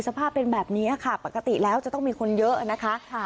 สภาพเป็นแบบนี้ค่ะปกติแล้วจะต้องมีคนเยอะนะคะ